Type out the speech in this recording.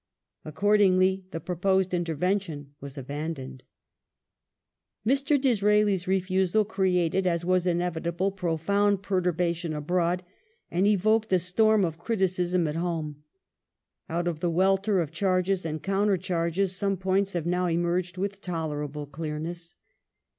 Accordingly the proposed interven tion was abandoned. Mr. Disraeli's refusal created, as was inevitable, profound per Attitude of turbation abroad, and evoked a storm of criticism at home. Out J.^^ ^"S" of the welter of charges and countercharges some points have now emmenty emerged with tolerable clearness.